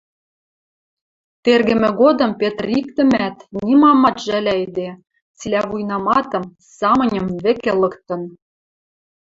Тергӹмӹ годым Петр иктӹмӓт, нимамат ӹжӓлӓйӹде, цилӓ вуйнаматым, самыньым вӹкӹ лыктын.